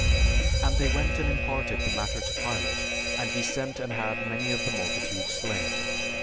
"And they went and imparted the matter to Pilate, and he sent and had many of the multitude slain.